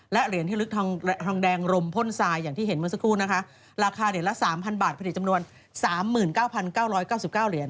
และเหรียญที่ระลึกทองแดงลมพ่นทรายอย่างที่เห็นเมื่อสักครู่นะคะราคาเหรียญละสามพันบาทผลิตจำนวนสามหมื่นเก้าพันเก้าร้อยเก้าสิบเก้าเหรียญ